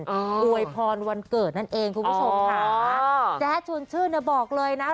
อวยพรวันเกิดนั่นเองคุณผู้ชมค่ะแจ๊ดชวนชื่นเนี่ยบอกเลยนะ